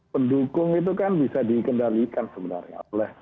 pendukung itu kan bisa dikendalikan sebenarnya